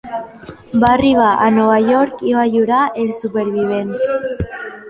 Va arribar a Nova York i va lliurar els supervivents.